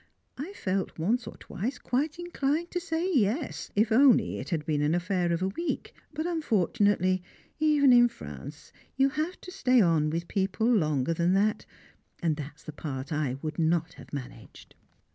I felt once or twice quite inclined to say yes, if only it had been an affair of a week; but unfortunately, even in France, you have to stay on with people longer than that, and that is the part I could not have managed.